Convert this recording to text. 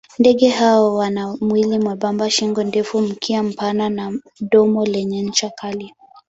Ndege hawa wana mwili mwembamba, shingo ndefu, mkia mpana na domo lenye ncha kali.